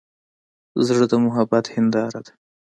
زړه د محبت هنداره ده.